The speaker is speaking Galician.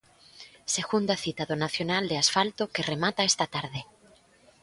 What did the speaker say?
Segunda cita do nacional de asfalto que remata esta tarde.